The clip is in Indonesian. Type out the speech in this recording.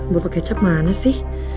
bapak kecap mana sih